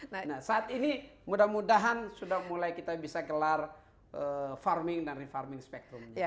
nah saat ini mudah mudahan sudah mulai kita bisa gelar farming dan refarming spektrumnya